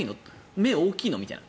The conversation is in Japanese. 目、大きいの？みたいな。